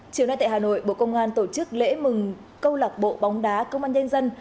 chiều nay tại hà nội bộ công an tổ chức lễ mừng công lạc bộ bóng đá công an nhân dân